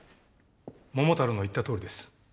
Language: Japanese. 桃太郎の言ったとおりです。